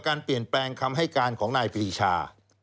การเปลี่ยนแปลงคำให้การของนายปรีชา